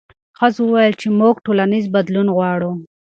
ښځو وویل چې موږ ټولنیز بدلون غواړو.